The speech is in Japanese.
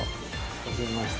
はじめまして。